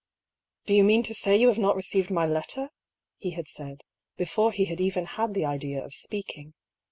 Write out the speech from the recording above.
"Do you mean to say you have not received my letter?" he had said, before he had even had the idea of speaking.